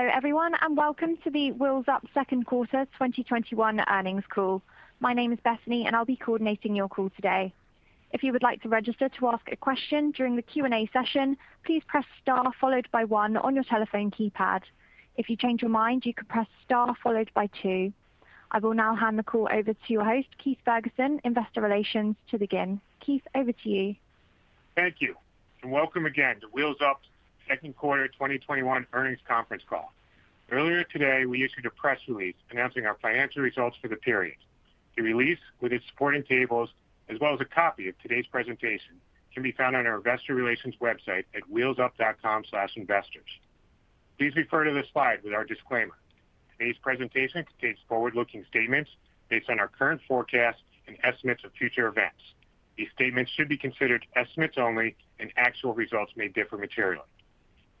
Hello everyone, welcome to the Wheels Up second quarter 2021 earnings call. My name is Bethany, I'll be coordinating your call today. If you would like to register to ask a question during the Q&A session, please press star followed by one on your telephone keypad. If you change your mind, you can press star followed by two. I will now hand the call over to your host, Keith Ferguson, Investor Relations, to begin. Keith, over to you. Thank you, and welcome again to Wheels Up's second quarter 2021 earnings conference call. Earlier today, we issued a press release announcing our financial results for the period. The release with its supporting tables, as well as a copy of today's presentation, can be found on our investor relations website at wheelsup.com/investors. Please refer to the slide with our disclaimer. Today's presentation contains forward-looking statements based on our current forecasts and estimates of future events. These statements should be considered estimates only, and actual results may differ materially.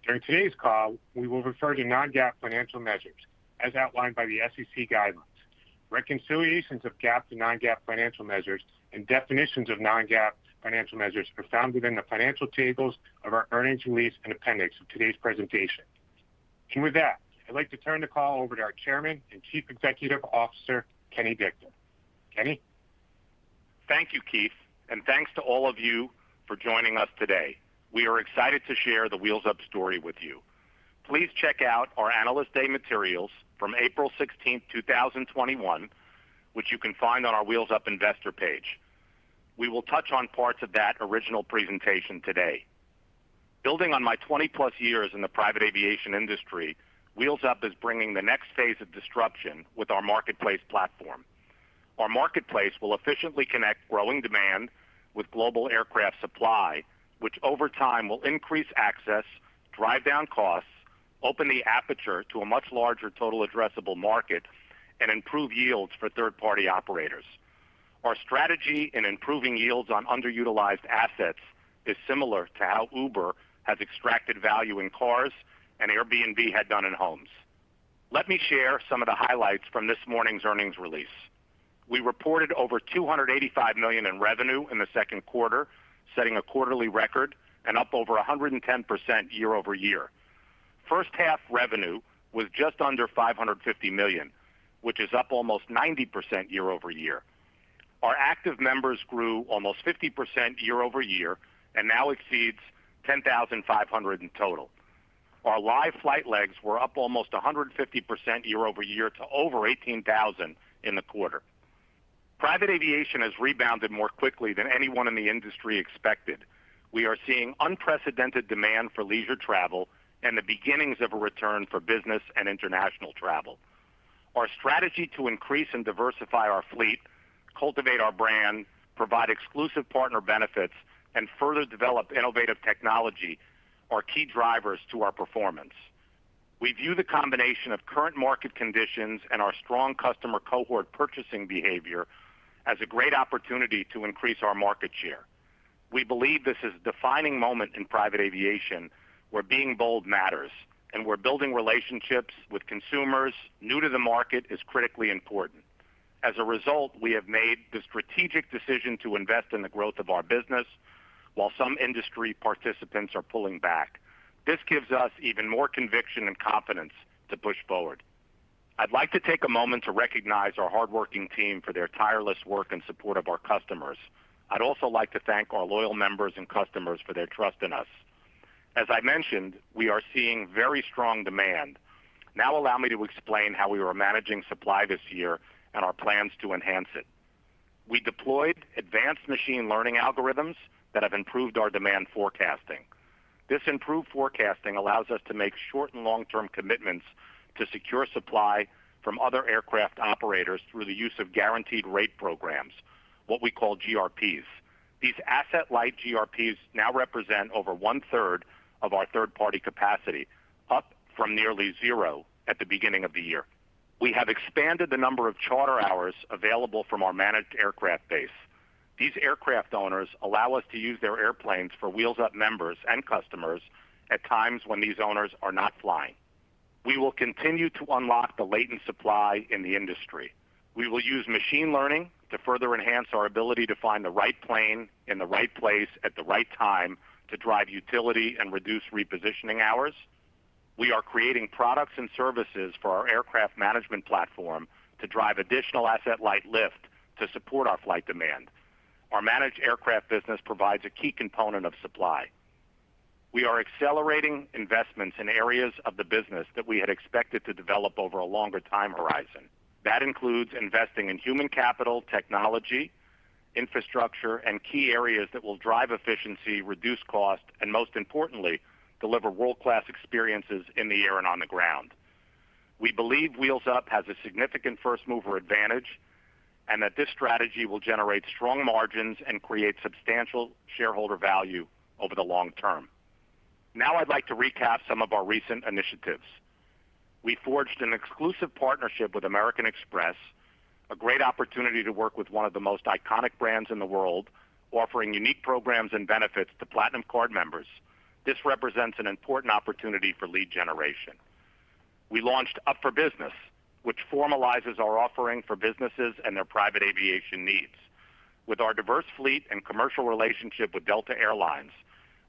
During today's call, we will refer to non-GAAP financial measures as outlined by the SEC guidelines. Reconciliations of GAAP to non-GAAP financial measures and definitions of non-GAAP financial measures are found within the financial tables of our earnings release and appendix of today's presentation. With that, I'd like to turn the call over to our Chairman and Chief Executive Officer, Kenny Dichter. Kenny? Thank you, Keith, and thanks to all of you for joining us today. We are excited to share the Wheels Up story with you. Please check out our Analyst Day materials from April 16th, 2021, which you can find on our Wheels Up investor page. We will touch on parts of that original presentation today. Building on my 20+ years in the private aviation industry, Wheels Up is bringing the next phase of disruption with our marketplace platform. Our marketplace will efficiently connect growing demand with global aircraft supply, which over time will increase access, drive down costs, open the aperture to a much larger total addressable market, and improve yields for third-party operators. Our strategy in improving yields on underutilized assets is similar to how Uber has extracted value in cars, and Airbnb had done in homes. Let me share some of the highlights from this morning's earnings release. We reported over $285 million in revenue in the second quarter, setting a quarterly record, and up over 110% year-over-year. First half revenue was just under $550 million, which is up almost 90% year-over-year. Our active members grew almost 50% year-over-year and now exceeds 10,500 in total. Our live flight legs were up almost 150% year-over-year to over 18,000 in the quarter. Private aviation has rebounded more quickly than anyone in the industry expected. We are seeing unprecedented demand for leisure travel and the beginnings of a return for business and international travel. Our strategy to increase and diversify our fleet, cultivate our brand, provide exclusive partner benefits, and further develop innovative technology are key drivers to our performance. We view the combination of current market conditions and our strong customer cohort purchasing behavior as a great opportunity to increase our market share. We believe this is a defining moment in private aviation where being bold matters, and where building relationships with consumers new to the market is critically important. As a result, we have made the strategic decision to invest in the growth of our business while some industry participants are pulling back. This gives us even more conviction and confidence to push forward. I'd like to take a moment to recognize our hardworking team for their tireless work in support of our customers. I'd also like to thank our loyal members and customers for their trust in us. As I mentioned, we are seeing very strong demand. Now allow me to explain how we are managing supply this year and our plans to enhance it. We deployed advanced machine learning algorithms that have improved our demand forecasting. This improved forecasting allows us to make short and long-term commitments to secure supply from other aircraft operators through the use of guaranteed rate programs, what we call GRPs. These asset-light GRPs now represent over one-third of our third-party capacity, up from nearly zero at the beginning of the year. We have expanded the number of charter hours available from our managed aircraft base. These aircraft owners allow us to use their airplanes for Wheels Up members and customers at times when these owners are not flying. We will continue to unlock the latent supply in the industry. We will use machine learning to further enhance our ability to find the right plane in the right place at the right time to drive utility and reduce repositioning hours. We are creating products and services for our aircraft management platform to drive additional asset-light lift to support our flight demand. Our managed aircraft business provides a key component of supply. We are accelerating investments in areas of the business that we had expected to develop over a longer time horizon. That includes investing in human capital, technology, infrastructure, and key areas that will drive efficiency, reduce cost, and most importantly, deliver world-class experiences in the air and on the ground. We believe Wheels Up has a significant first-mover advantage and that this strategy will generate strong margins and create substantial shareholder value over the long term. Now I'd like to recap some of our recent initiatives. We forged an exclusive partnership with American Express, a great opportunity to work with one of the most iconic brands in the world, offering unique programs and benefits to Platinum Card members. This represents an important opportunity for lead generation. We launched Up for Business, which formalizes our offering for businesses and their private aviation needs. With our diverse fleet and commercial relationship with Delta Air Lines,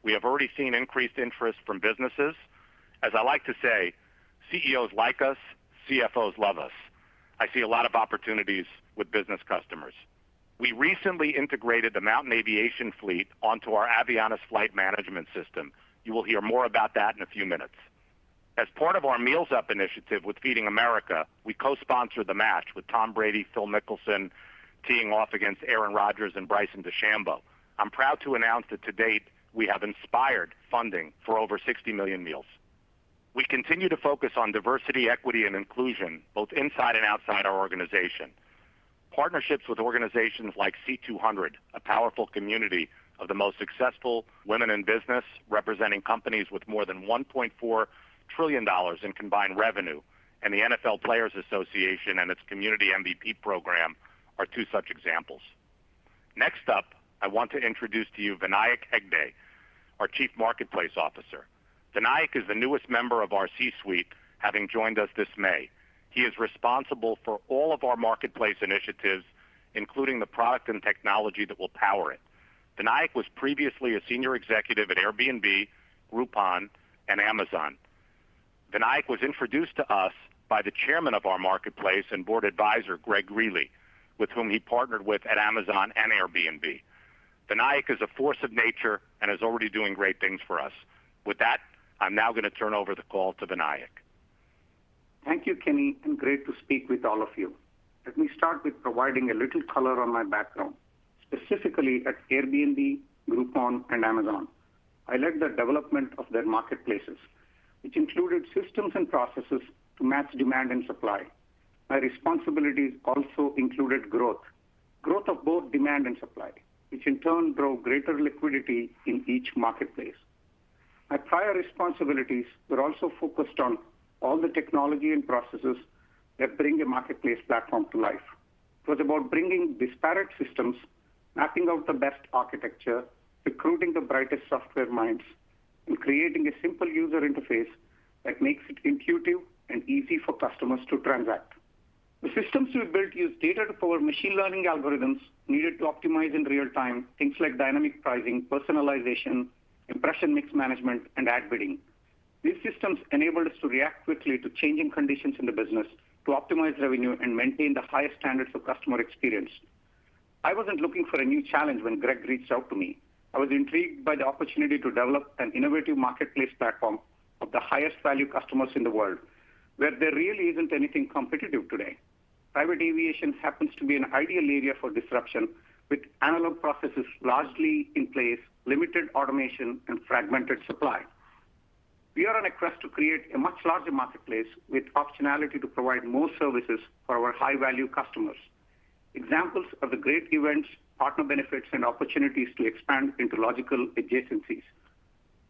we have already seen increased interest from businesses. As I like to say, CEOs like us, CFOs love us. I see a lot of opportunities with business customers. We recently integrated the Mountain Aviation fleet onto our Avianis flight management system. You will hear more about that in a few minutes. As part of our Meals Up initiative with Feeding America, we co-sponsored The Match with Tom Brady, Phil Mickelson, teeing off against Aaron Rodgers and Bryson DeChambeau. I'm proud to announce that to date, we have inspired funding for over 60 million meals. We continue to focus on diversity, equity, and inclusion, both inside and outside our organization. Partnerships with organizations like C200, a powerful community of the most successful women in business, representing companies with more than $1.4 trillion in combined revenue, and the NFL Players Association and its Community MVP program are two such examples. Next up, I want to introduce to you Vinayak Hegde, our Chief Marketplace Officer. Vinayak is the newest member of our C-suite, having joined us this May. He is responsible for all of our marketplace initiatives, including the product and technology that will power it. Vinayak was previously a senior executive at Airbnb, Groupon, and Amazon. Vinayak was introduced to us by the Chairman of our Marketplace and Board Advisor, Greg Greeley, with whom he partnered with at Amazon and Airbnb. Vinayak is a force of nature and is already doing great things for us. With that, I'm now going to turn over the call to Vinayak. Thank you, Kenny. Great to speak with all of you. Let me start with providing a little color on my background, specifically at Airbnb, Groupon, and Amazon. I led the development of their marketplaces, which included systems and processes to match demand and supply. My responsibilities also included growth of both demand and supply, which in turn drove greater liquidity in each marketplace. My prior responsibilities were also focused on all the technology and processes that bring a marketplace platform to life. It was about bringing disparate systems, mapping out the best architecture, recruiting the brightest software minds, and creating a simple user interface that makes it intuitive and easy for customers to transact. The systems we built use data to power machine learning algorithms needed to optimize in real time things like dynamic pricing, personalization, impression mix management, and ad bidding. These systems enable us to react quickly to changing conditions in the business to optimize revenue and maintain the highest standards of customer experience. I wasn't looking for a new challenge when Greg reached out to me. I was intrigued by the opportunity to develop an innovative marketplace platform of the highest value customers in the world, where there really isn't anything competitive today. Private aviation happens to be an ideal area for disruption, with analog processes largely in place, limited automation, and fragmented supply. We are on a quest to create a much larger marketplace with optionality to provide more services for our high-value customers. Examples are the great events, partner benefits, and opportunities to expand into logical adjacencies.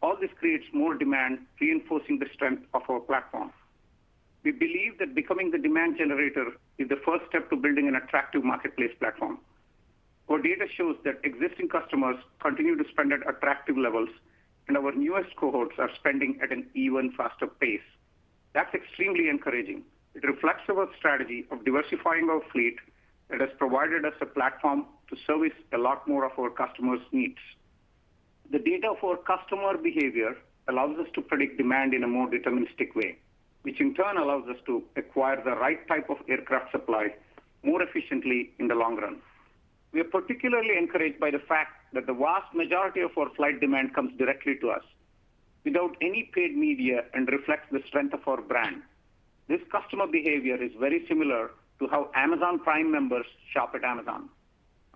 All this creates more demand, reinforcing the strength of our platform. We believe that becoming the demand generator is the first step to building an attractive marketplace platform. Our data shows that existing customers continue to spend at attractive levels, and our newest cohorts are spending at an even faster pace. That's extremely encouraging. It reflects our strategy of diversifying our fleet that has provided us a platform to service a lot more of our customers' needs. The data for customer behavior allows us to predict demand in a more deterministic way, which in turn allows us to acquire the right type of aircraft supply more efficiently in the long run. We are particularly encouraged by the fact that the vast majority of our flight demand comes directly to us without any paid media and reflects the strength of our brand. This customer behavior is very similar to how Amazon Prime members shop at Amazon.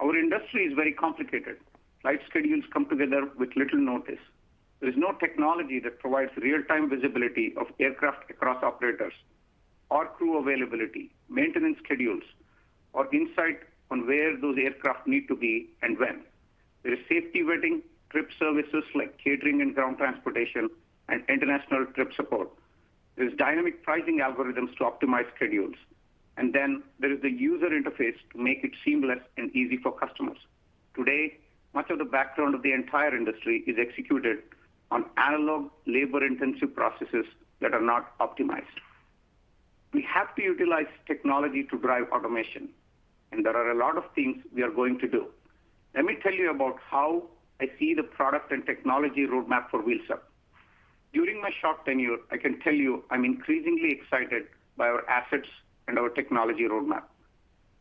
Our industry is very complicated. Flight schedules come together with little notice. There is no technology that provides real-time visibility of aircraft across operators or crew availability, maintenance schedules, or insight on where those aircraft need to be and when. There is safety-vetting trip services like catering and ground transportation and international trip support. There's dynamic pricing algorithms to optimize schedules. There is the user interface to make it seamless and easy for customers. Today, much of the backbone of the entire industry is executed on analog, labor-intensive processes that are not optimized. We have to utilize technology to drive automation, and there are a lot of things we are going to do. Let me tell you about how I see the product and technology roadmap for Wheels Up. During my short tenure, I can tell you I'm increasingly excited by our assets and our technology roadmap.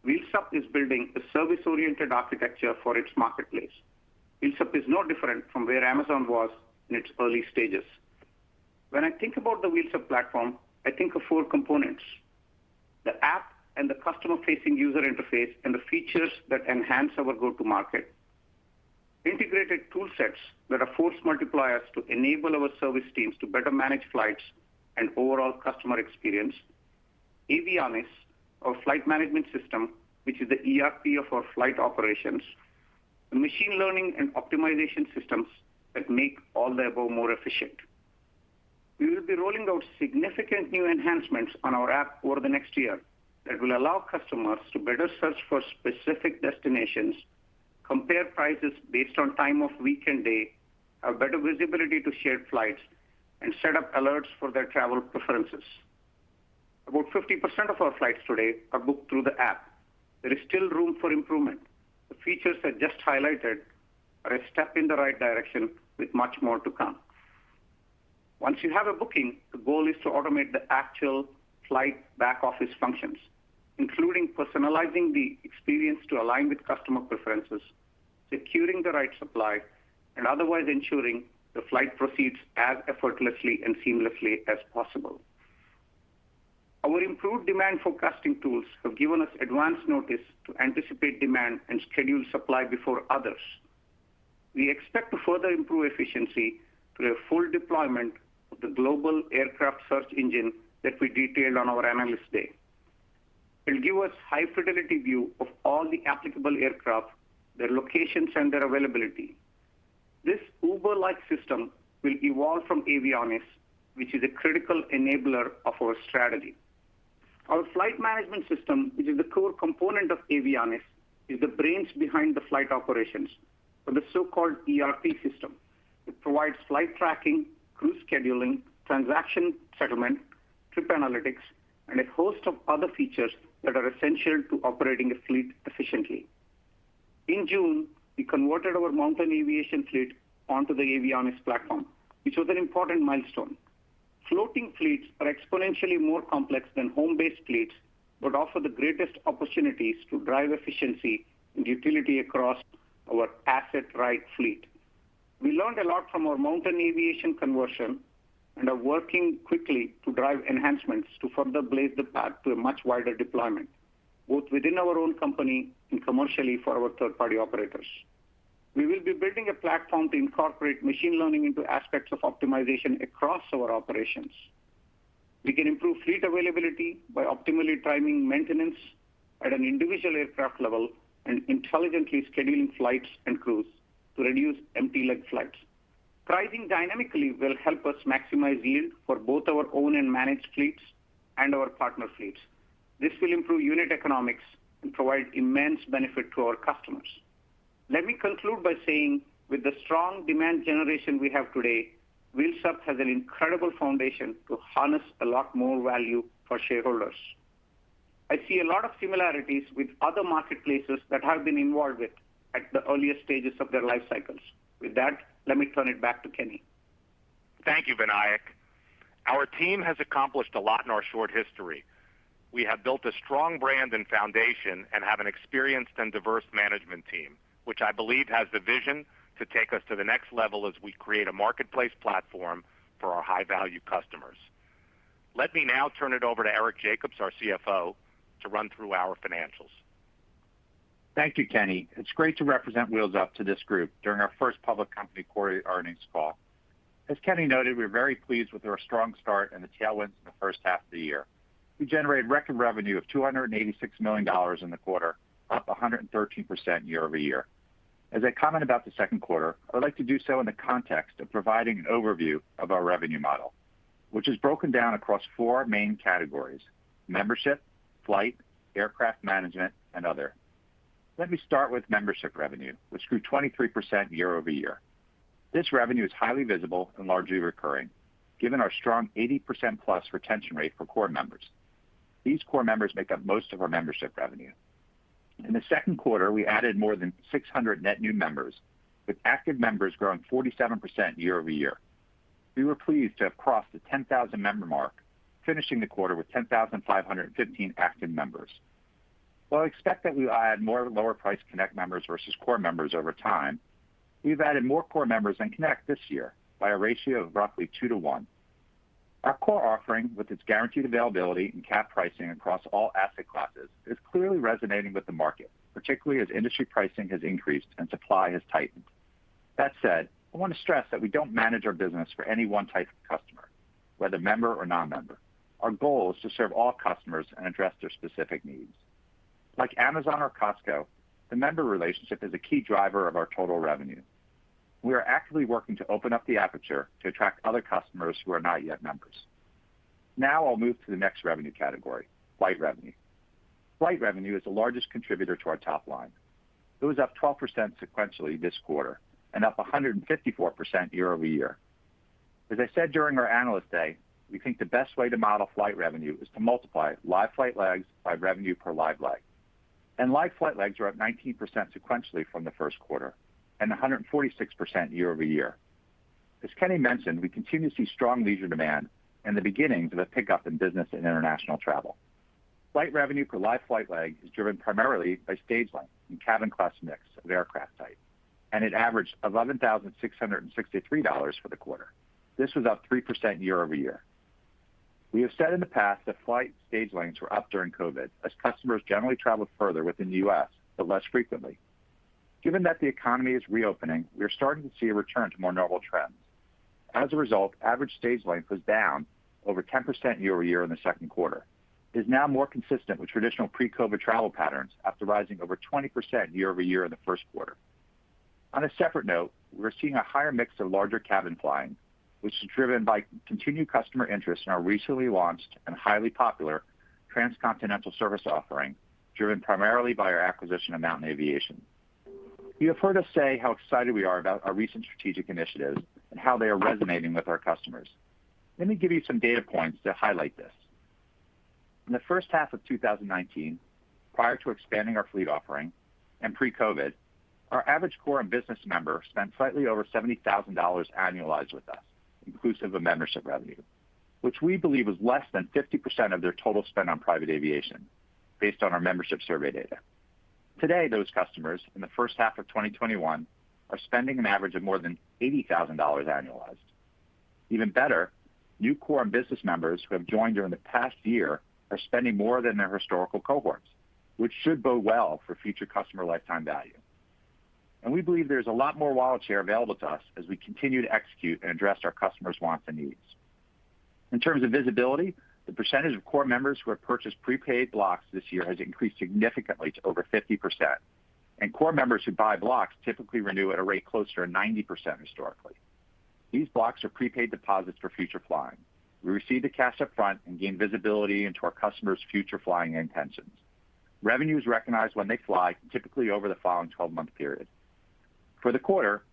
Wheels Up is building a service-oriented architecture for its marketplace. Wheels Up is no different from where Amazon was in its early stages. When I think about the Wheels Up platform, I think of four components, the App and the customer-facing user interface and the features that enhance our go-to market. Integrated tool sets that are force multipliers to enable our service teams to better manage flights and overall customer experience. Avianis, our flight management system, which is the ERP of our flight operations. The machine learning and optimization systems that make all the above more efficient. We will be rolling out significant new enhancements on our app over the next year that will allow customers to better search for specific destinations, compare prices based on time of week and day, have better visibility to shared flights, and set up alerts for their travel preferences. About 50% of our flights today are booked through the app. There is still room for improvement. The features I just highlighted are a step in the right direction with much more to come. Once you have a booking, the goal is to automate the actual flight back office functions, including personalizing the experience to align with customer preferences, securing the right supply, and otherwise ensuring the flight proceeds as effortlessly and seamlessly as possible. Our improved demand forecasting tools have given us advance notice to anticipate demand and schedule supply before others. We expect to further improve efficiency through a full deployment of the global aircraft search engine that we detailed on our Analyst Day. It'll give us high fidelity view of all the applicable aircraft, their locations, and their availability. This Uber-like system will evolve from Avianis, which is a critical enabler of our strategy. Our flight management system, which is the core component of Avianis, is the brains behind the flight operations for the so-called ERP system. It provides flight tracking, crew scheduling, transaction settlement, trip analytics, and a host of other features that are essential to operating a fleet efficiently. In June, we converted our Mountain Aviation fleet onto the Avianis platform, which was an important milestone. Floating fleets are exponentially more complex than home-based fleets, but offer the greatest opportunities to drive efficiency and utility across our asset right fleet. We learned a lot from our Mountain Aviation conversion and are working quickly to drive enhancements to further blaze the path to a much wider deployment, both within our own company and commercially for our third-party operators. We will be building a platform to incorporate machine learning into aspects of optimization across our operations. We can improve fleet availability by optimally timing maintenance at an individual aircraft level and intelligently scheduling flights and crews to reduce empty leg flights. Pricing dynamically will help us maximize yield for both our own and managed fleets and our partner fleets. This will improve unit economics and provide immense benefit to our customers. Let me conclude by saying, with the strong demand generation we have today, Wheels Up has an incredible foundation to harness a lot more value for shareholders. I see a lot of similarities with other marketplaces that I have been involved with at the earliest stages of their life cycles. Let me turn it back to Kenny. Thank you, Vinayak. Our team has accomplished a lot in our short history. We have built a strong brand and foundation and have an experienced and diverse management team, which I believe has the vision to take us to the next level as we create a marketplace platform for our high-value customers. Let me now turn it over to Eric Jacobs, our CFO, to run through our financials. Thank you, Kenny. It's great to represent Wheels Up to this group during our first public company quarterly earnings call. As Kenny noted, we're very pleased with our strong start and the first half of the year. We generated record revenue of $286 million in the quarter, up 113% year-over-year. As I comment about the second quarter, I would like to do so in the context of providing an overview of our revenue model, which is broken down across four main categories: membership, flight, aircraft management, and other. Let me start with membership revenue, which grew 23% year-over-year. This revenue is highly visible and largely recurring, given our strong 80%+ retention rate for Core members. These Core members make up most of our membership revenue. In the second quarter, we added more than 600 net new members, with active members growing 47% year-over-year. We were pleased to have crossed the 10,000-member mark, finishing the quarter with 10,515 active members. While I expect that we will add more lower-priced Connect members versus Core members over time, we've added more Core members than Connect this year by a ratio of roughly 2:1. Our Core offering, with its guaranteed availability and capped pricing across all asset classes, is clearly resonating with the market, particularly as industry pricing has increased and supply has tightened. That said, I want to stress that we don't manage our business for any one type of customer, whether member or non-member. Our goal is to serve all customers and address their specific needs. Like Amazon or Costco, the member relationship is a key driver of our total revenue. We are actively working to open up the aperture to attract other customers who are not yet members. I'll move to the next revenue category, flight revenue. Flight revenue is the largest contributor to our top line. It was up 12% sequentially this quarter, and up 154% year-over-year. As I said during our Analyst Day, we think the best way to model flight revenue is to multiply live flight legs by revenue per live leg. Live flight legs are up 19% sequentially from the first quarter, and 146% year-over-year. As Kenny mentioned, we continue to see strong leisure demand and the beginnings of a pickup in business and international travel. Flight revenue per live flight leg is driven primarily by stage length and cabin class mix of aircraft type, and it averaged $11,663 for the quarter. This was up 3% year-over-year. We have said in the past that flight stage lengths were up during COVID, as customers generally traveled further within the U.S., but less frequently. Given that the economy is reopening, we are starting to see a return to more normal trends. As a result, average stage length was down over 10% year-over-year in the second quarter. It is now more consistent with traditional pre-COVID travel patterns after rising over 20% year-over-year in the first quarter. On a separate note, we're seeing a higher mix of larger cabin flying, which is driven by continued customer interest in our recently launched and highly popular transcontinental service offering, driven primarily by our acquisition of Mountain Aviation. You have heard us say how excited we are about our recent strategic initiatives and how they are resonating with our customers. Let me give you some data points to highlight this. In the first half of 2019, prior to expanding our fleet offering and pre-COVID, our average Core and Up for Business member spent slightly over $70,000 annualized with us, inclusive of membership revenue, which we believe is less than 50% of their total spend on private aviation based on our membership survey data. Today, those customers in the first half of 2021 are spending an average of more than $80,000 annualized. Even better, new Core and Up for Business members who have joined during the past year are spending more than their historical cohorts, which should bode well for future customer lifetime value. We believe there's a lot more wallet share available to us as we continue to execute and address our customers' wants and needs. In terms of visibility, the percentage of Core members who have purchased prepaid blocks this year has increased significantly to over 50%, and Core members who buy blocks typically renew at a rate closer to 90% historically. These blocks are prepaid deposits for future flying. We receive the cash upfront and gain visibility into our customers' future flying intentions. Revenue is recognized when they fly, typically over the following 12-month period. For the quarter,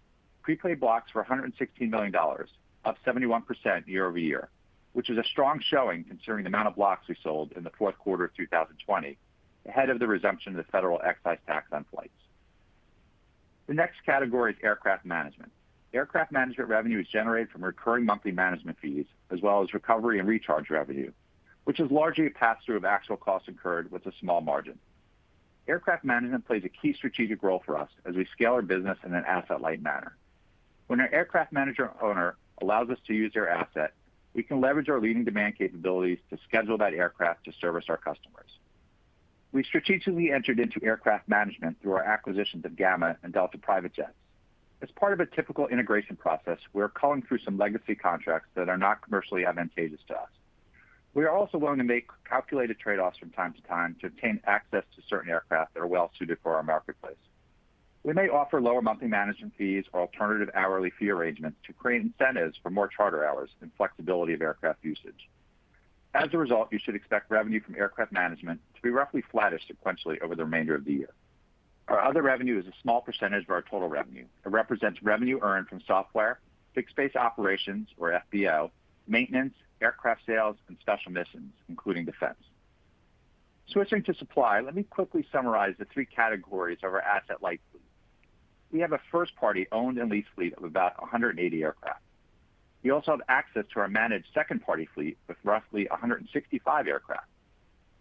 prepaid blocks were $116 million, up 71% year-over-year, which is a strong showing considering the amount of blocks we sold in the fourth quarter of 2020, ahead of the resumption of the federal excise tax on flights. The next category is aircraft management. Aircraft management revenue is generated from recurring monthly management fees, as well as recovery and recharge revenue, which is largely a pass-through of actual costs incurred with a small margin. Aircraft management plays a key strategic role for us as we scale our business in an asset-light manner. When an aircraft manager owner allows us to use their asset, we can leverage our leading demand capabilities to schedule that aircraft to service our customers. We strategically entered into aircraft management through our acquisitions of Gama and Delta Private Jets. As part of a typical integration process, we're combing through some legacy contracts that are not commercially advantageous to us. We are also willing to make calculated trade-offs from time to time to obtain access to certain aircraft that are well-suited for our marketplace. We may offer lower monthly management fees or alternative hourly fee arrangements to create incentives for more charter hours and flexibility of aircraft usage. As a result, you should expect revenue from aircraft management to be roughly flattish sequentially over the remainder of the year. Our other revenue is a small percentage of our total revenue. It represents revenue earned from software, fixed-base operations or FBO, maintenance, aircraft sales, and special missions, including defense. Switching to supply, let me quickly summarize the three categories of our asset-light fleet. We have a first-party owned and leased fleet of about 180 aircraft. We also have access to our managed second-party fleet with roughly 165 aircraft,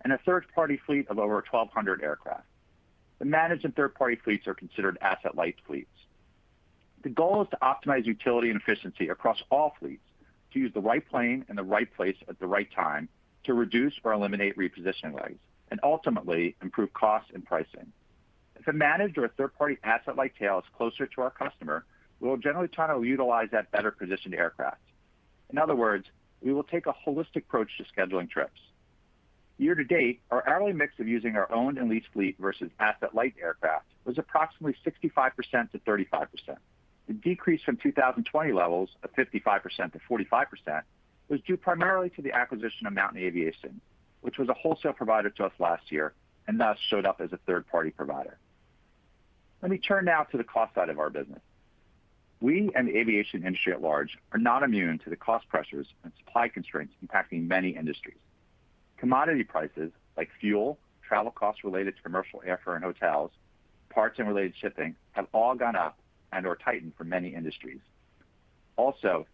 and a third-party fleet of over 1,200 aircraft. The managed and third-party fleets are considered asset-light fleets. The goal is to optimize utility and efficiency across all fleets to use the right plane in the right place at the right time to reduce or eliminate repositioning legs, and ultimately improve costs and pricing. If a managed or a third-party asset-light tail is closer to our customer, we will generally try to utilize that better-positioned aircraft. In other words, we will take a holistic approach to scheduling trips. Year to date, our hourly mix of using our owned and leased fleet versus asset-light aircraft was approximately 65%-35%. The decrease from 2020 levels of 55%-45% was due primarily to the acquisition of Mountain Aviation, which was a wholesale provider to us last year, and thus showed up as a third-party provider. Let me turn now to the cost side of our business. We and the aviation industry at large are not immune to the cost pressures and supply constraints impacting many industries. Commodity prices like fuel, travel costs related to commercial airfare and hotels, parts and related shipping have all gone up and/or tightened for many industries.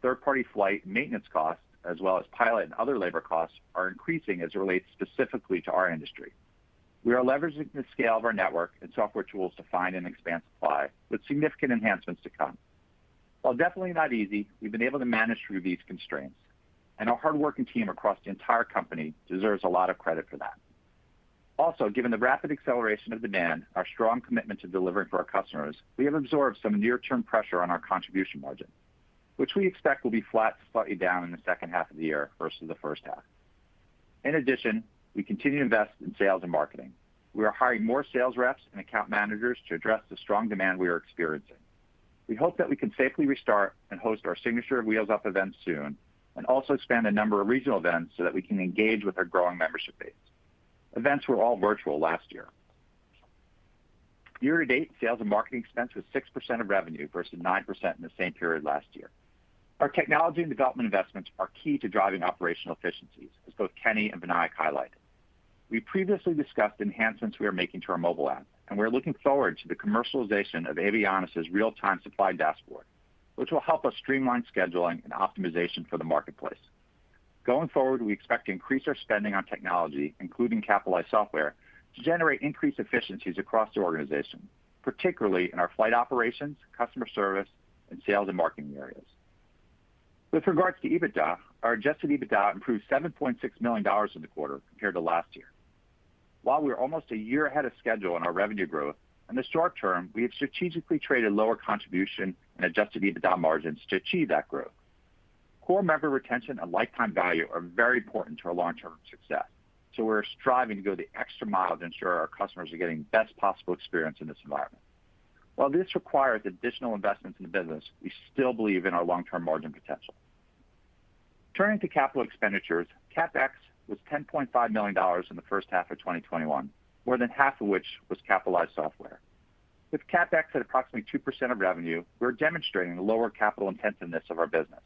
Third-party flight maintenance costs, as well as pilot and other labor costs, are increasing as it relates specifically to our industry. We are leveraging the scale of our network and software tools to find and expand supply, with significant enhancements to come. While definitely not easy, we've been able to manage through these constraints, and our hardworking team across the entire company deserves a lot of credit for that. Given the rapid acceleration of demand, our strong commitment to delivering for our customers, we have absorbed some near-term pressure on our contribution margin, which we expect will be flat to slightly down in the second half of the year versus the first half. In addition, we continue to invest in sales and marketing. We are hiring more sales reps and account managers to address the strong demand we are experiencing. We hope that we can safely restart and host our signature Wheels Up event soon, and also expand the number of regional events so that we can engage with our growing membership base. Events were all virtual last year. Year to date, sales and marketing expense was 6% of revenue, versus 9% in the same period last year. Our technology and development investments are key to driving operational efficiencies, as both Kenny and Vinayak highlighted. We previously discussed enhancements we are making to our mobile app, and we're looking forward to the commercialization of Avianis's real-time supply dashboard, which will help us streamline scheduling and optimization for the marketplace. Going forward, we expect to increase our spending on technology, including capitalized software, to generate increased efficiencies across the organization, particularly in our flight operations, customer service, and sales and marketing areas. With regards to EBITDA, our adjusted EBITDA improved $7.6 million in the quarter compared to last year. While we're almost a year ahead of schedule on our revenue growth, in the short term, we have strategically traded lower contribution and adjusted EBITDA margins to achieve that growth. Core member retention and lifetime value are very important to our long-term success, so we're striving to go the extra mile to ensure our customers are getting the best possible experience in this environment. While this requires additional investments in the business, we still believe in our long-term margin potential. Turning to capital expenditures, CapEx was $10.5 million in the first half of 2021, more than half of which was capitalized software. With CapEx at approximately 2% of revenue, we're demonstrating the lower capital intensiveness of our business.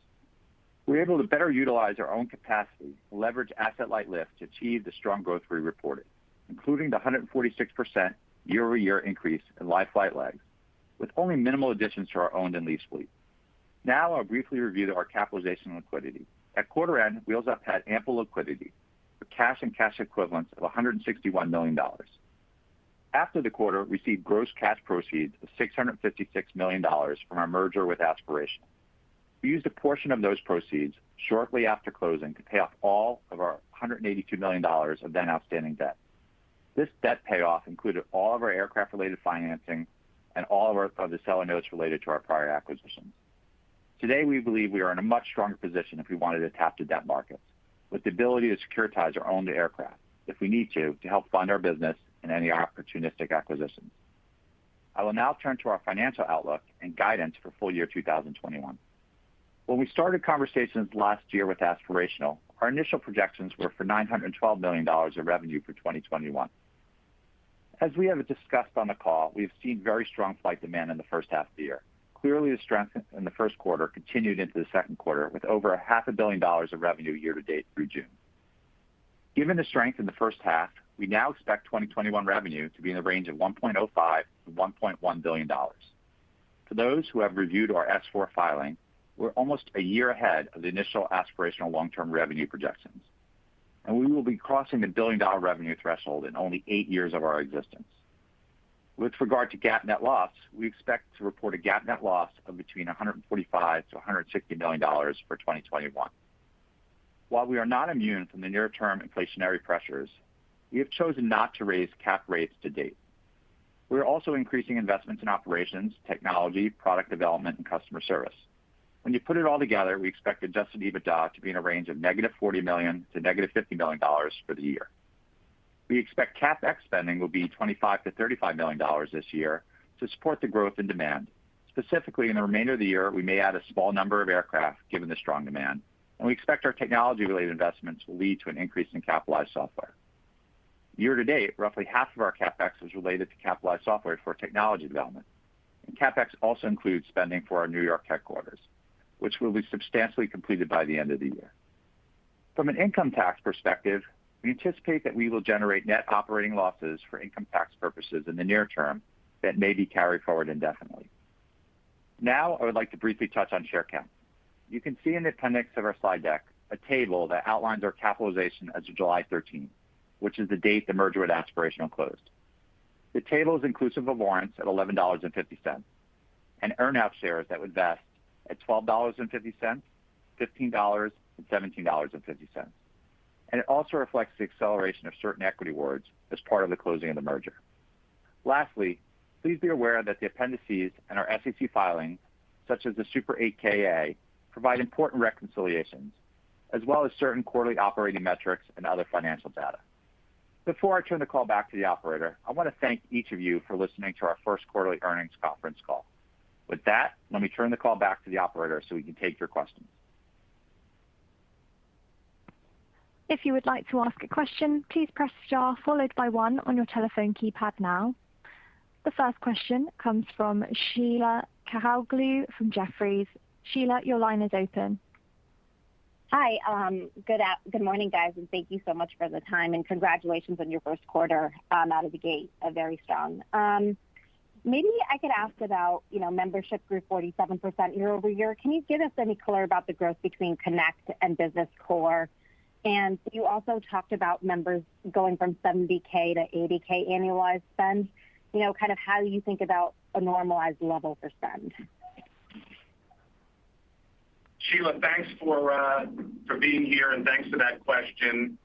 We're able to better utilize our own capacity to leverage asset-light lift to achieve the strong growth we reported, including the 146% year-over-year increase in live flight legs, with only minimal additions to our owned and leased fleet. Now I'll briefly review our capitalization liquidity. At quarter end, Wheels Up had ample liquidity with cash and cash equivalents of $161 million. After the quarter, we received gross cash proceeds of $656 million from our merger with Aspirational. We used a portion of those proceeds shortly after closing to pay off all of our $182 million of then outstanding debt. This debt payoff included all of our aircraft-related financing and all of our other seller notes related to our prior acquisitions. Today, we believe we are in a much stronger position if we wanted to tap the debt markets with the ability to securitize our owned aircraft if we need to help fund our business in any opportunistic acquisitions. I will now turn to our financial outlook and guidance for full year 2021. When we started conversations last year with Aspirational, our initial projections were for $912 million of revenue for 2021. As we have discussed on the call, we have seen very strong flight demand in the first half of the year. Clearly, the strength in the first quarter continued into the second quarter with over a half a billion dollars of revenue year-to-date through June. Given the strength in the first half, we now expect 2021 revenue to be in the range of $1.05 billion-$1.1 billion. For those who have reviewed our S4 filing, we're almost a year ahead of the initial Aspirational long-term revenue projections, and we will be crossing the billion-dollar revenue threshold in only eight years of our existence. With regard to GAAP net loss, we expect to report a GAAP net loss of between $145 million to $160 million for 2021. While we are not immune from the near-term inflationary pressures, we have chosen not to raise cap rates to date. We are also increasing investments in operations, technology, product development, and customer service. When you put it all together, we expect adjusted EBITDA to be in a range of $-40 million to $-50 million for the year. We expect CapEx spending will be $25 million-$35 million this year to support the growth and demand. Specifically, in the remainder of the year, we may add a small number of aircraft given the strong demand, and we expect our technology-related investments will lead to an increase in capitalized software. Year-to-date, roughly half of our CapEx was related to capitalized software for technology development. CapEx also includes spending for our New York headquarters, which will be substantially completed by the end of the year. From an income tax perspective, we anticipate that we will generate net operating losses for income tax purposes in the near term that may be carried forward indefinitely. I would like to briefly touch on share count. You can see in the appendix of our slide deck a table that outlines our capitalization as of July 13, which is the date the merger with Aspirational closed. The table is inclusive of warrants at $11.50 and earn-out shares that would vest at $12.50, $15, and $17.50. It also reflects the acceleration of certain equity awards as part of the closing of the merger. Lastly, please be aware that the appendices and our SEC filings, such as the Super 8-K/A, provide important reconciliations as well as certain quarterly operating metrics and other financial data. Before I turn the call back to the operator, I want to thank each of you for listening to our first quarterly earnings conference call. With that, let me turn the call back to the operator so we can take your questions. If you would like to ask a question, please press star followed by one on your telephone keypad now. The first question comes from Sheila Kahyaoglu from Jefferies. Sheila, your line is open. Hi. Good morning, guys, and thank you so much for the time, and congratulations on your first quarter out of the gate, a very strong one. Maybe I could ask about membership grew 47% year-over-year. Can you give us any color about the growth between Connect and Business Core? You also talked about members going from $70K to $80K annualized spend. Kind of how you think about a normalized level for spend? Sheila, thanks for being here, and thanks for that question.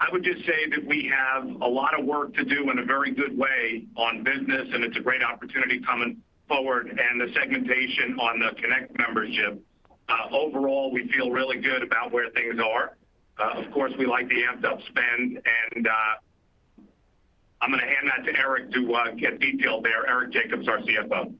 I would just say that we have a lot of work to do in a very good way on business. It's a great opportunity coming forward and the segmentation on the Connect membership. Overall, we feel really good about where things are. Of course, we like the amped-up spend, and I'm going to hand that to Eric to get detail there. Eric Jacobs, our CFO.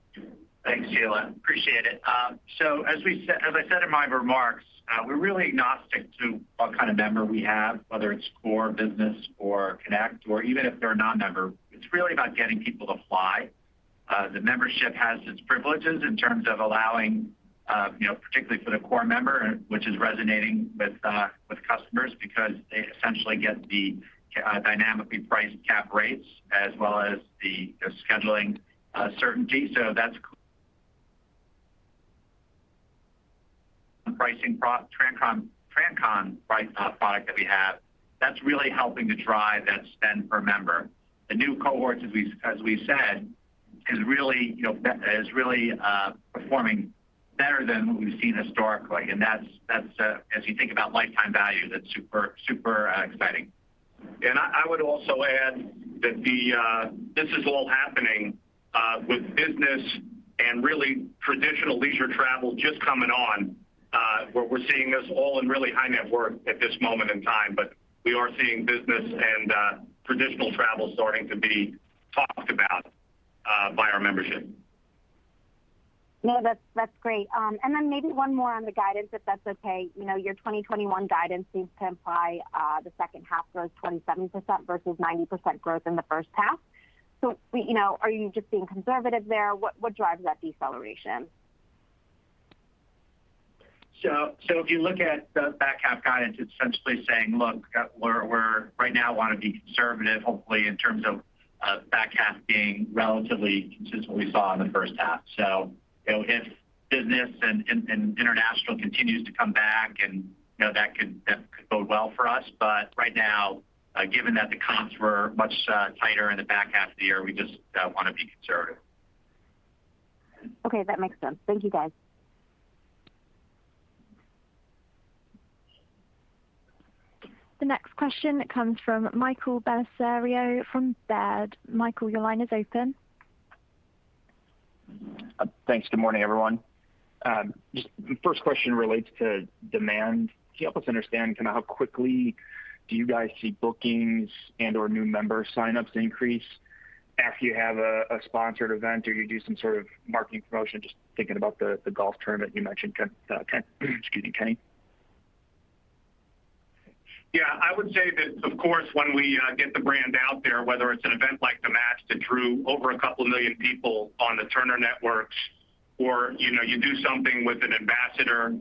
Thanks, Sheila. Appreciate it. As I said in my remarks, we're really agnostic to what kind of member we have, whether it's Core, Business, or Connect, or even if they're a non-member. It's really about getting people to fly. The membership has its privileges in terms of allowing, particularly for the Core member, which is resonating with customers because they essentially get the dynamically priced cap rates as well as the scheduling certainty. That's pricing trancon price product that we have. That's really helping to drive that spend per member. The new cohorts, as we've said, is really performing better than what we've seen historically. As you think about lifetime value, that's super exciting. I would also add that this is all happening with business and really traditional leisure travel just coming on, where we're seeing this all in really high net worth at this moment in time. We are seeing business and traditional travel starting to be talked about Membership. No, that's great. Maybe one more on the guidance, if that's okay. Your 2021 guidance seems to imply the second half grows 27% versus 90% growth in the first half. Are you just being conservative there? What drives that deceleration? If you look at the back half guidance, it's essentially saying, look, we right now want to be conservative, hopefully, in terms of back half being relatively consistent with what we saw in the first half. If business and international continues to come back and that could bode well for us. Right now, given that the comps were much tighter in the back half of the year, we just want to be conservative. Okay, that makes sense. Thank you, guys. The next question comes from Michael Bellisario from Baird. Michael, your line is open. Thanks. Good morning, everyone. Just first question relates to demand. Can you help us understand how quickly do you guys see bookings and/or new member sign-ups increase after you have a sponsored event or you do some sort of marketing promotion? Just thinking about the golf tournament you mentioned, Kenny. Excuse me, Kenny. Yeah. I would say that, of course, when we get the brand out there, whether it's an event like The Match that drew over 2 million people on the Turner networks or you do something with an ambassador,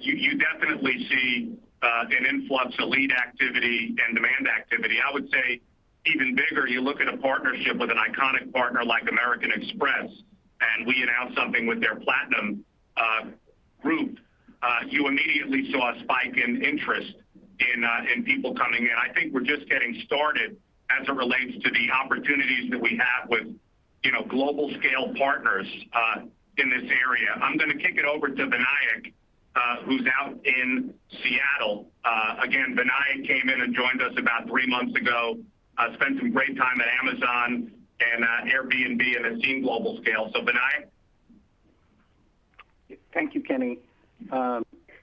you definitely see an influx of lead activity and demand activity. I would say even bigger, you look at a partnership with an iconic partner like American Express, and we announce something with their Platinum group, you immediately saw a spike in interest in people coming in. I think we're just getting started as it relates to the opportunities that we have with global scale partners in this area. I'm going to kick it over to Vinayak who's out in Seattle. Again, Vinayak came in and joined us about three months ago, spent some great time at Amazon and Airbnb and has seen global scale. Vinayak? Thank you,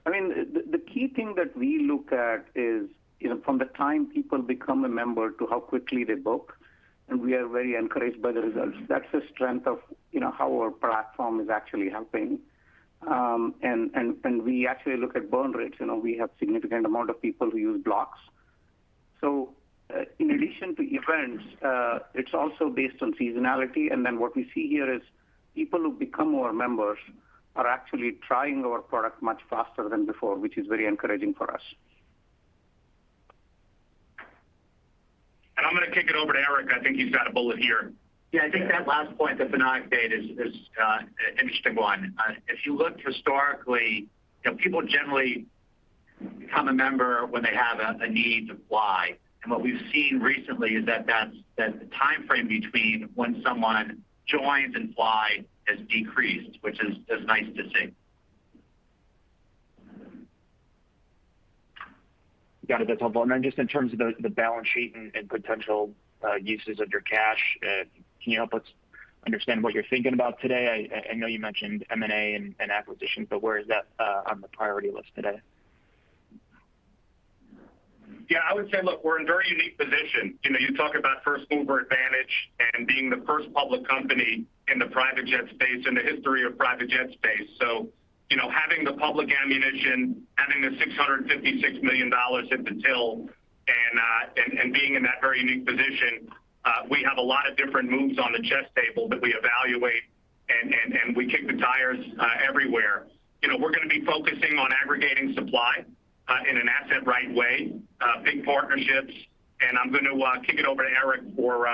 Kenny. The key thing that we look at is from the time people become a member to how quickly they book, and we are very encouraged by the results. That's the strength of how our platform is actually helping. We actually look at burn rates. We have significant amount of people who use blocks. In addition to events, it's also based on seasonality. What we see here is people who become our members are actually trying our product much faster than before, which is very encouraging for us. I'm going to kick it over to Eric. I think he's got a bullet here. Yeah, I think that last point that Vinayak made is an interesting one. If you looked historically, people generally become a member when they have a need to fly. What we've seen recently is that the timeframe between when someone joins and fly has decreased, which is nice to see. Got it. That's helpful. Just in terms of the balance sheet and potential uses of your cash, can you help us understand what you're thinking about today? I know you mentioned M&A and acquisitions, where is that on the priority list today? Yeah, I would say, look, we're in a very unique position. You talk about first-mover advantage and being the first public company in the private jet space in the history of private jet space. Having the public ammunition, having the $656 million in the till, and being in that very unique position, we have a lot of different moves on the chess table that we evaluate, and we kick the tires everywhere. We're going to be focusing on aggregating supply in an asset-right way, big partnerships. I'm going to kick it over to Eric for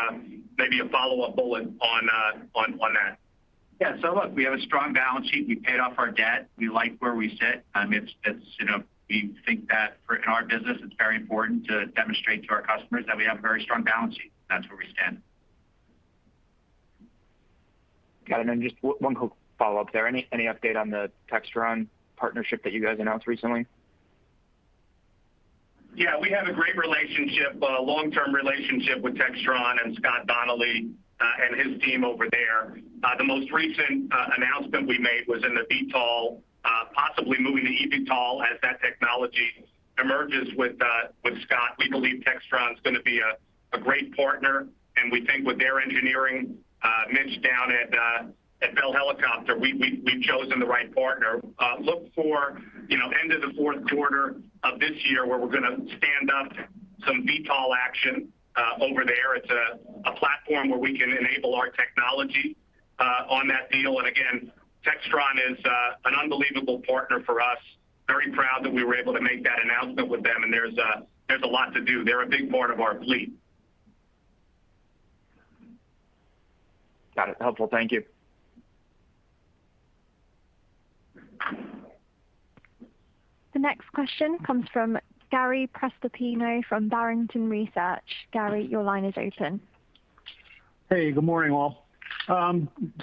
maybe a follow-up bullet on that. Yeah. look, we have a strong balance sheet. We paid off our debt. We like where we sit. We think that in our business, it's very important to demonstrate to our customers that we have a very strong balance sheet. That's where we stand. Got it. Just one quick follow-up there. Any update on the Textron partnership that you guys announced recently? We have a great relationship, a long-term relationship with Textron and Scott Donnelly and his team over there. The most recent announcement we made was in the VTOL, possibly moving to eVTOL as that technology emerges with Scott. We believe Textron's going to be a great partner, and we think with their engineering, Mitch down at Bell Helicopter, we've chosen the right partner. Look for end of the fourth quarter of this year where we're going to stand up some VTOL action over there. It's a platform where we can enable our technology on that deal. Again, Textron is an unbelievable partner for us. Very proud that we were able to make that announcement with them, and there's a lot to do. They're a big part of our fleet. Got it. Helpful. Thank you. The next question comes from Gary Prestopino from Barrington Research. Gary, your line is open. Hey, good morning, all.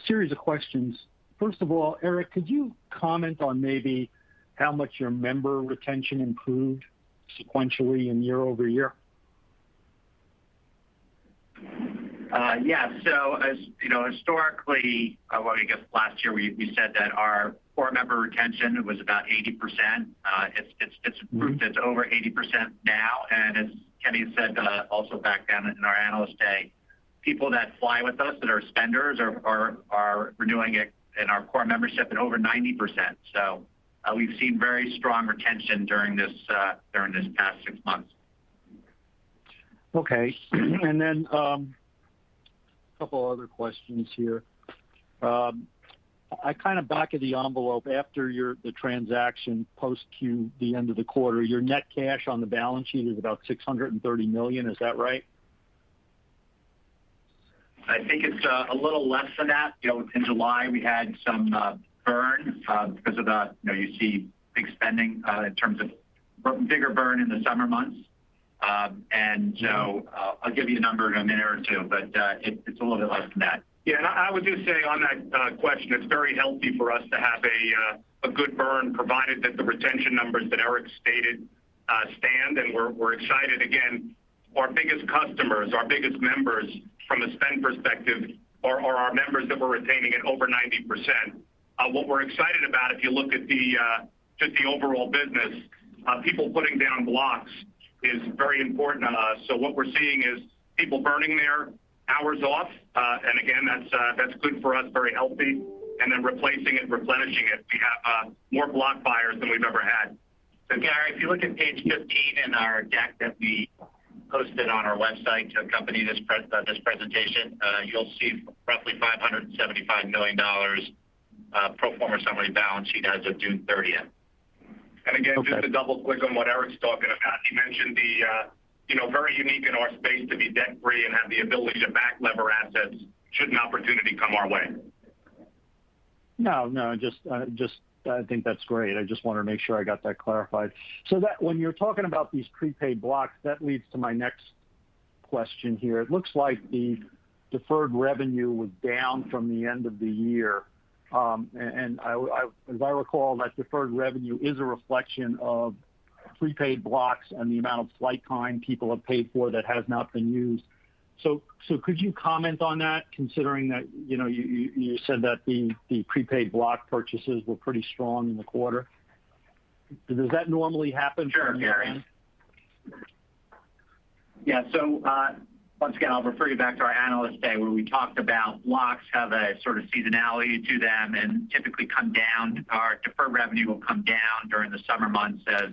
Series of questions. First of all, Eric, could you comment on maybe how much your member retention improved sequentially and year-over-year? Historically, well, I guess last year we said that our Core member retention was about 80%. It's improved. It's over 80% now, and as Kenny said also back then in our Analyst Day, people that fly with us, that are spenders, we're doing it in our Core membership at over 90%. We've seen very strong retention during this past six months. Okay. Two other questions here. I kind of back of the envelope after the transaction post Q the end of the quarter, your net cash on the balance sheet is about $630 million. Is that right? I think it's a little less than that. In July, we had some burn. You see big spending in terms of bigger burn in the summer months. I'll give you a number in a minute or two, but it's a little bit less than that. Yeah, I would just say on that question, it's very healthy for us to have a good burn provided that the retention numbers that Eric stated stand, and we're excited. Our biggest customers, our biggest members from a spend perspective are our members that we're retaining at over 90%. What we're excited about, if you look at just the overall business, people putting down blocks is very important to us. What we're seeing is people burning their hours off. That's good for us, very healthy, and then replacing it, replenishing it. We have more block buyers than we've ever had. Gary, if you look at page 15 in our deck that we posted on our website to accompany this presentation, you'll see roughly $575 million pro forma summary balance sheet as of June 30th. And again- Okay just to double click on what Eric's talking about, he mentioned the very unique in our space to be debt-free and have the ability to back lever assets should an opportunity come our way. No, no, I think that's great. I just want to make sure I got that clarified. That when you're talking about these prepaid blocks, that leads to my next question here. It looks like the deferred revenue was down from the end of the year. As I recall, that deferred revenue is a reflection of prepaid blocks and the amount of flight time people have paid for that has not been used. Could you comment on that considering that you said that the prepaid block purchases were pretty strong in the quarter? Does that normally happen from your end? Sure, Gary. Once again, I'll refer you back to our Analyst Day where we talked about blocks have a sort of seasonality to them and typically come down. Our deferred revenue will come down during the summer months as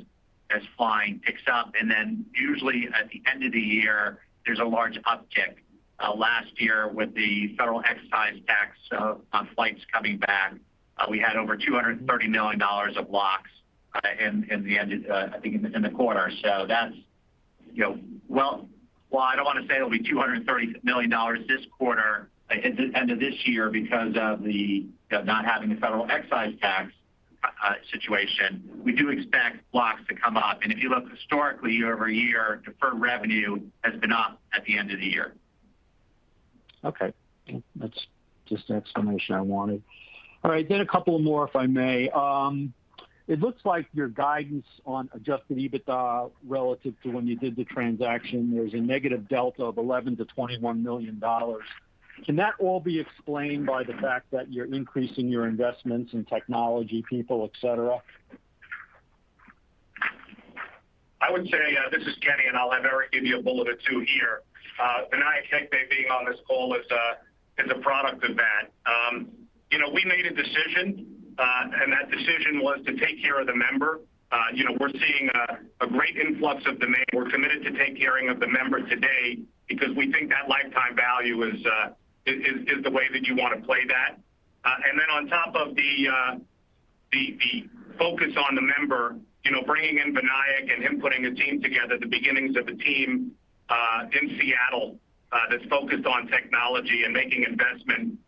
flying picks up, and then usually at the end of the year, there's a large uptick. Last year with the federal excise tax on flights coming back, we had over $230 million of blocks in the end, I think in the quarter. Well, I don't want to say it'll be $230 million this quarter, end of this year because of not having the federal excise tax situation. We do expect blocks to come up, and if you look historically year-over-year, deferred revenue has been up at the end of the year. Okay. That's just the explanation I wanted. All right. A couple of more, if I may. It looks like your guidance on adjusted EBITDA relative to when you did the transaction, there's a negative delta of $11 million-$21 million. Can that all be explained by the fact that you're increasing your investments in technology people, et cetera? I would say, this is Kenny, and I'll have Eric give you a bullet or two here. I think me being on this call is the product of that. We made a decision, and that decision was to take care of the member. We're seeing a great influx of demand. We're committed to taking care of the member today because we think that lifetime value is the way that you want to play that. Then on top of the focus on the member, bringing in Vinayak and him putting a team together, the beginnings of a team in Seattle, that's focused on technology and making investment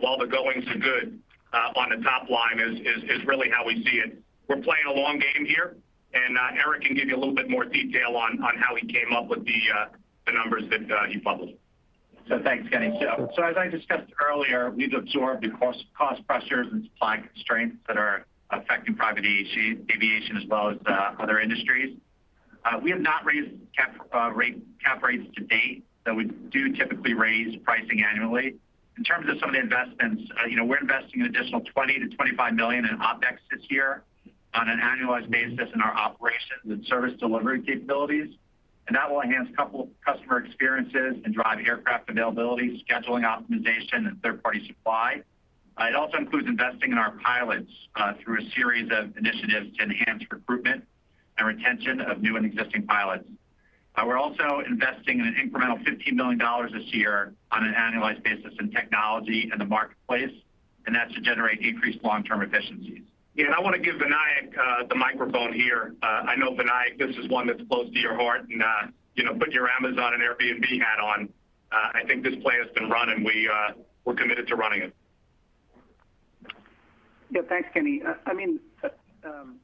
while the going's good on the top line is really how we see it. We're playing a long game here, and Eric can give you a little bit more detail on how he came up with the numbers that he published. Thanks, Kenny. As I discussed earlier, we've absorbed the cost pressures and supply constraints that are affecting private aviation as well as other industries. We have not raised cap rates to date, though we do typically raise pricing annually. In terms of some of the investments, we're investing an additional $20 million-$25 million in OpEx this year on an annualized basis in our operations and service delivery capabilities, and that will enhance customer experiences and drive aircraft availability, scheduling optimization, and third-party supply. It also includes investing in our pilots through a series of initiatives to enhance recruitment and retention of new and existing pilots. We're also investing in an incremental $15 million this year on an annualized basis in technology and the marketplace, and that's to generate increased long-term efficiencies. Yeah, I want to give Vinayak the microphone here. I know Vinayak, this is one that's close to your heart, and put your Amazon and Airbnb hat on. I think this play has been run, and we're committed to running it. Yeah. Thanks, Kenny.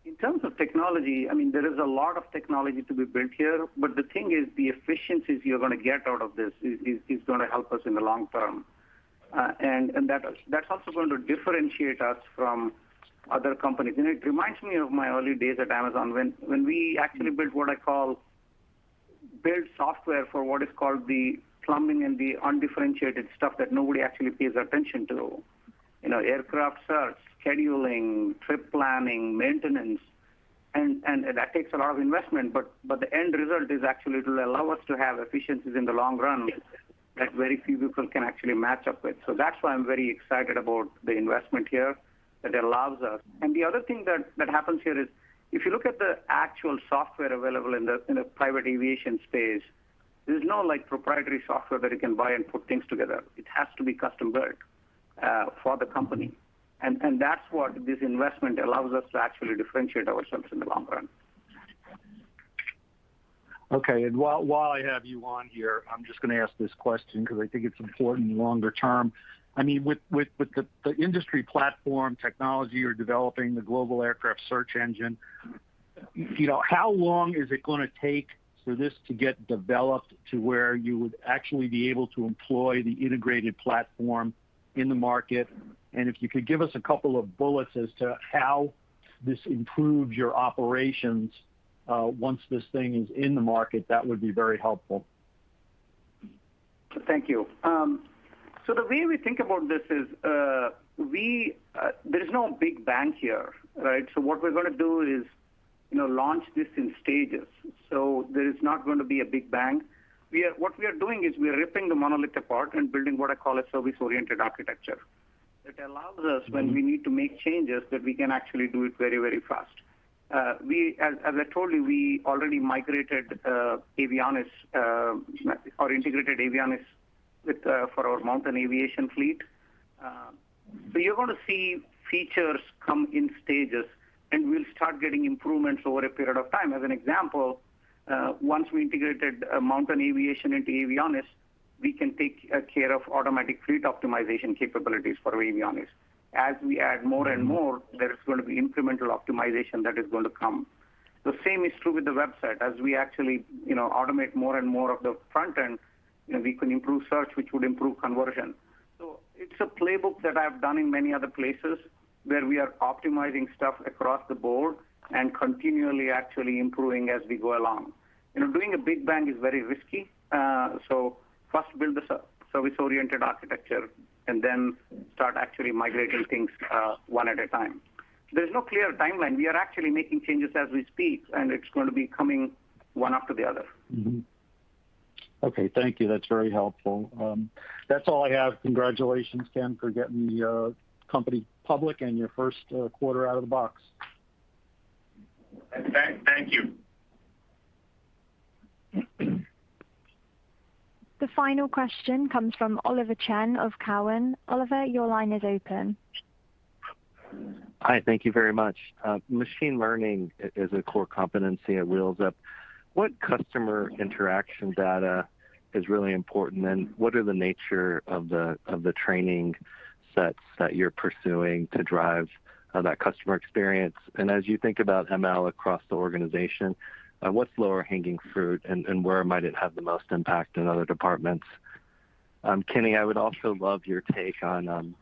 In terms of technology, there is a lot of technology to be built here, but the thing is, the efficiencies you're going to get out of this is going to help us in the long term. That's also going to differentiate us from other companies. It reminds me of my early days at Amazon when we actually built what I call build software for what is called the plumbing and the undifferentiated stuff that nobody actually pays attention to. Aircraft search, scheduling, trip planning, maintenance. That takes a lot of investment, but the end result is actually it'll allow us to have efficiencies in the long run. Yes that very few people can actually match up with. That's why I'm very excited about the investment here that allows us. The other thing that happens here is if you look at the actual software available in the private aviation space, there's no proprietary software that you can buy and put things together. It has to be custom-built for the company. That's what this investment allows us to actually differentiate ourselves in the long run. Okay. While I have you on here, I'm just going to ask this question because I think it's important longer term. With the industry platform technology you're developing, the global aircraft search engine, how long is it going to take for this to get developed to where you would actually be able to employ the integrated platform in the market? If you could give us a couple of bullets as to how this improves your operations once this thing is in the market, that would be very helpful. Thank you. The way we think about this is there is no big bang here, right? What we're going to do is launch this in stages. There is not going to be a big bang. What we are doing is we are ripping the monolith apart and building what I call a service-oriented architecture that allows us when we need to make changes that we can actually do it very, very fast. As I told you, we already migrated our integrated Avianis for our Mountain Aviation fleet. You're going to see features come in stages, and we'll start getting improvements over a period of time. As an example, once we integrated Mountain Aviation into Avianis, we can take care of automatic fleet optimization capabilities for Avianis. As we add more and more, there is going to be incremental optimization that is going to come. The same is true with the website. As we actually automate more and more of the front end, we can improve search, which would improve conversion. It's a playbook that I've done in many other places where we are optimizing stuff across the board and continually actually improving as we go along. Doing a big bang is very risky. First build the service-oriented architecture and then start actually migrating things one at a time. There's no clear timeline. We are actually making changes as we speak, and it's going to be coming one after the other. Okay. Thank you. That's very helpful. That's all I have. Congratulations, Ken, for getting the company public and your first quarter out of the box. Thank you. The final question comes from Oliver Chen of Cowen. Oliver, your line is open. Hi. Thank you very much. Machine learning is a core competency at Wheels Up. What customer interaction data is really important, and what are the nature of the training sets that you're pursuing to drive that customer experience? As you think about ML across the organization, what's lower hanging fruit, and where might it have the most impact in other departments? Kenny, I would also love your take on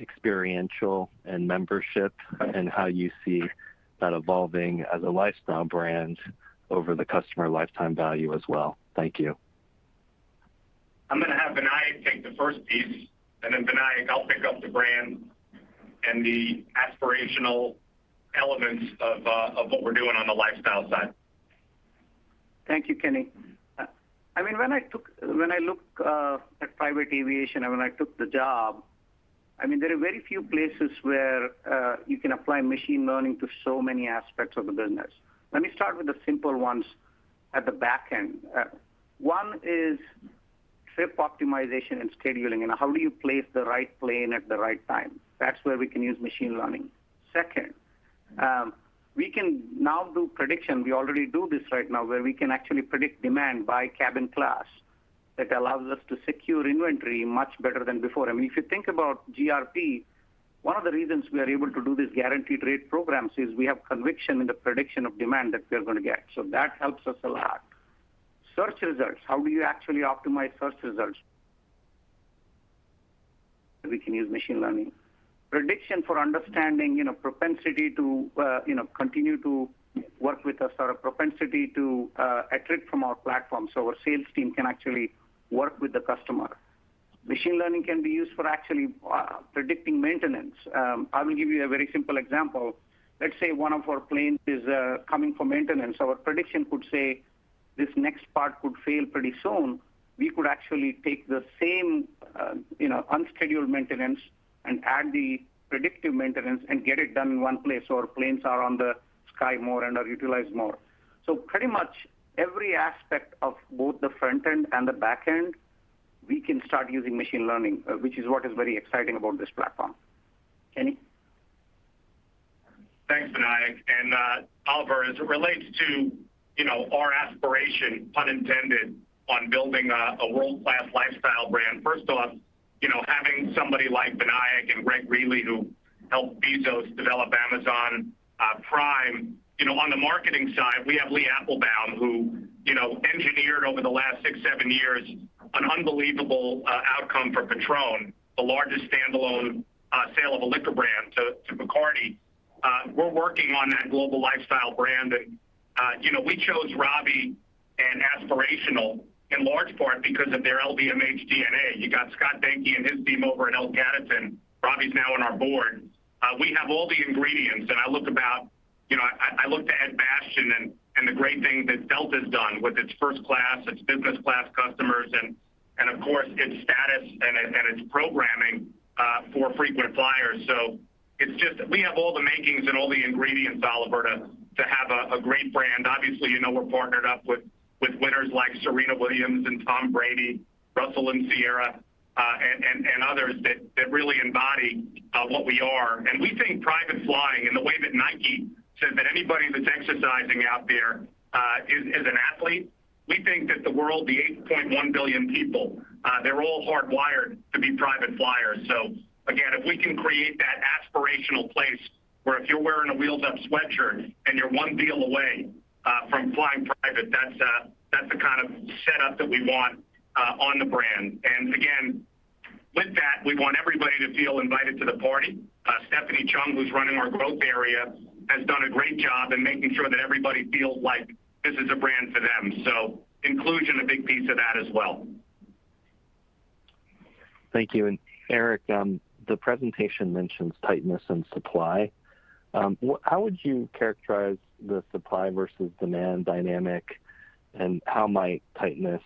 experiential and membership and how you see that evolving as a lifestyle brand over the customer lifetime value as well. Thank you. I'm going to have Vinayak take the first piece, and then Vinayak, I'll pick up the brand and the aspirational elements of what we're doing on the lifestyle side. Thank you, Kenny. When I look at private aviation and when I took the job, there are very few places where you can apply machine learning to so many aspects of the business. Let me start with the simple ones at the back end. One is trip optimization and scheduling, and how do you place the right plane at the right time? That's where we can use machine learning. Second, we can now do prediction. We already do this right now, where we can actually predict demand by cabin class. That allows us to secure inventory much better than before. If you think about GRP, one of the reasons we are able to do these guaranteed rate programs is we have conviction in the prediction of demand that we're going to get. That helps us a lot. Search results, how do you actually optimize search results? We can use machine learning. Prediction for understanding propensity to continue to work with us or a propensity to attrit from our platform so our sales team can actually work with the customer. Machine learning can be used for actually predicting maintenance. I will give you a very simple example. Let's say one of our planes is coming for maintenance. Our prediction could say this next part could fail pretty soon. We could actually take the same unscheduled maintenance and add the predictive maintenance and get it done in one place so our planes are on the sky more and are utilized more. Pretty much every aspect of both the front end and the back end, we can start using machine learning, which is what is very exciting about this platform. Kenny? Thanks, Vinayak. Oliver, as it relates to our aspiration, pun intended, on building a world-class lifestyle brand, first off, having somebody like Vinayak and Greg Greeley who helped Bezos develop Amazon Prime. On the marketing side, we have Lee Applbaum, who engineered over the last six, seven years an unbelievable outcome for Patrón, the largest standalone sale of a liquor brand to Bacardi. We're working on that global lifestyle brand, we chose Ravi Aspirational in large part because of their LVMH DNA. You got Scott Dahnke and his team over at L Catterton. Ravi's now on our board. We have all the ingredients. I look to Ed Bastian and the great things that Delta's done with its first-class, its business-class customers, and of course, its status and its programming for frequent flyers. We have all the makings and all the ingredients, Oliver, to have a great brand. Obviously, we're partnered up with winners like Serena Williams and Tom Brady, Russell and Ciara, and others that really embody what we are. We think private flying, in the way that Nike says that anybody that's exercising out there is an athlete, we think that the world, the 8.1 billion people, they're all hardwired to be private flyers. Again, if we can create that aspirational place where if you're wearing a Wheels Up sweatshirt and you're one deal away from flying private, that's the kind of setup that we want on the brand. Again, with that, we want everybody to feel invited to the party. Stephanie Chung, who's running our growth area, has done a great job in making sure that everybody feels like this is a brand for them. Inclusion, a big piece of that as well. Thank you. Eric, the presentation mentions tightness in supply. How would you characterize the supply versus demand dynamic, and how might tightness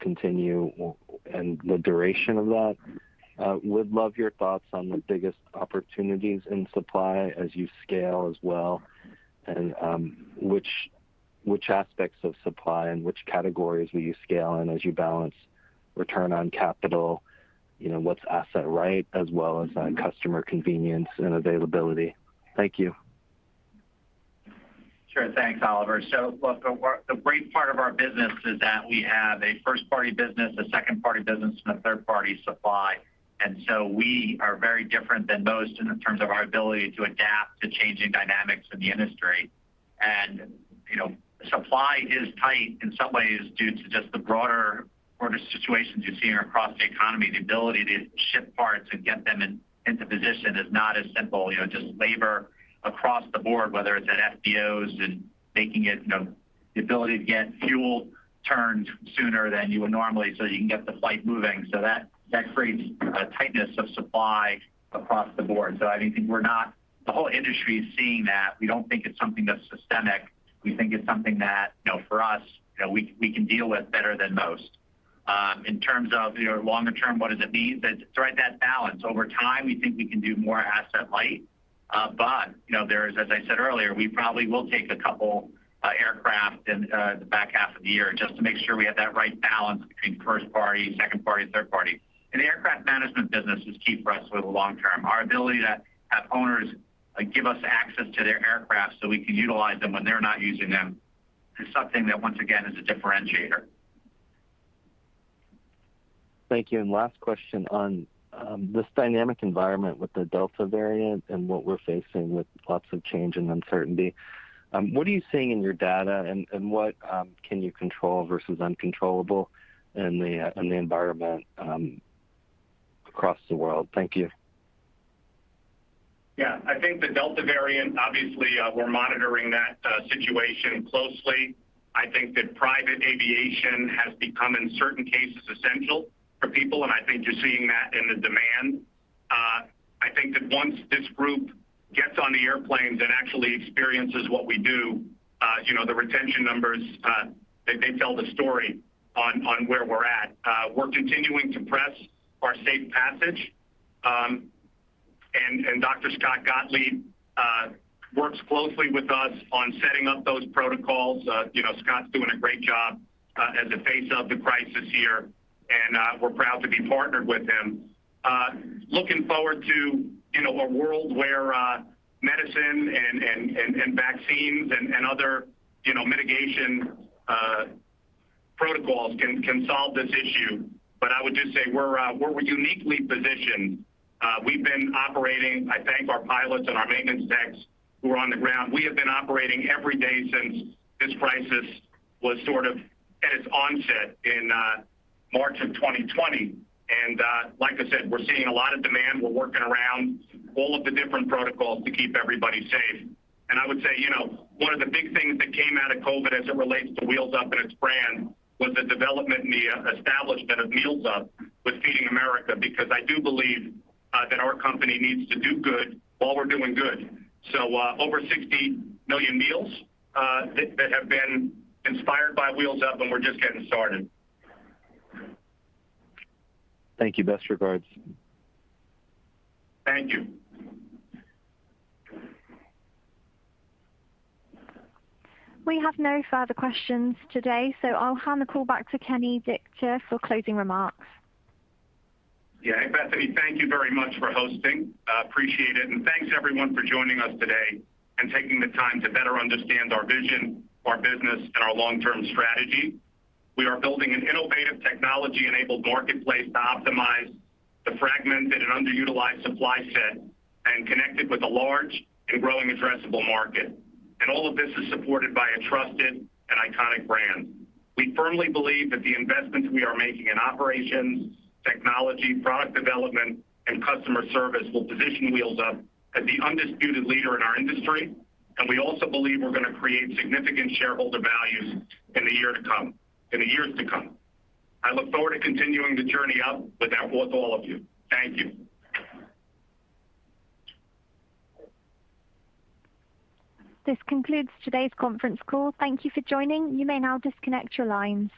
continue, and the duration of that? Would love your thoughts on the biggest opportunities in supply as you scale as well, and which aspects of supply and which categories will you scale in as you balance return on capital? What's asset right, as well as customer convenience and availability? Thank you. Sure. Thanks, Oliver. The great part of our business is that we have a first-party business, a second-party business, and a third-party supply. We are very different than most in terms of our ability to adapt to changing dynamics in the industry. Supply is tight in some ways due to just the broader situations you're seeing across the economy. The ability to ship parts and get them into position is not as simple. Just labor across the board, whether it's at FBOs and the ability to get fuel turned sooner than you would normally so that you can get the flight moving. That creates a tightness of supply across the board. The whole industry is seeing that. We don't think it's something that's systemic. We think it's something that, for us, we can deal with better than most. In terms of longer term, what does it mean to thread that balance? Over time, we think we can do more asset light. As I said earlier, we probably will take a couple aircraft in the back half of the year just to make sure we have that right balance between first party, second party, third party. The aircraft management business is key for us over the long term. Our ability to have owners give us access to their aircraft so we can utilize them when they're not using them is something that, once again, is a differentiator. Thank you. Last question on this dynamic environment with the Delta variant and what we're facing with lots of change and uncertainty. What are you seeing in your data, and what can you control versus uncontrollable in the environment across the world? Thank you. Yeah. I think the Delta variant, obviously, we're monitoring that situation closely. I think that private aviation has become, in certain cases, essential for people, and I think you're seeing that in the demand. I think that once this group gets on the airplanes and actually experiences what we do, the retention numbers, they tell the story on where we're at. We're continuing to press our safe passage. Dr. Scott Gottlieb works closely with us on setting up those protocols. Scott's doing a great job at the face of the crisis here, and we're proud to be partnered with him. We're looking forward to a world where medicine and vaccines and other mitigation protocols can solve this issue. I would just say we're uniquely positioned. We've been operating. I thank our pilots and our maintenance techs who are on the ground. We have been operating every day since this crisis was at its onset in March of 2020. Like I said, we're seeing a lot of demand. We're working around all of the different protocols to keep everybody safe. I would say, one of the big things that came out of COVID as it relates to Wheels Up and its brand was the development and the establishment of Meals Up with Feeding America, because I do believe that our company needs to do good while we're doing good. Over 60 million meals that have been inspired by Wheels Up, and we're just getting started. Thank you. Best regards. Thank you. We have no further questions today, so I'll hand the call back to Kenny Dichter for closing remarks. Yeah. Bethany, thank you very much for hosting. Appreciate it. Thanks everyone for joining us today and taking the time to better understand our vision, our business, and our long-term strategy. We are building an innovative technology-enabled marketplace to optimize the fragmented and underutilized supply set and connect it with a large and growing addressable market. All of this is supported by a trusted and iconic brand. We firmly believe that the investments we are making in operations, technology, product development, and customer service will position Wheels Up as the undisputed leader in our industry. We also believe we're going to create significant shareholder value in the years to come. I look forward to continuing the journey up with all of you. Thank you. This concludes today's conference call. Thank you for joining. You may now disconnect your lines.